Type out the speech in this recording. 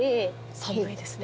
寒いですね。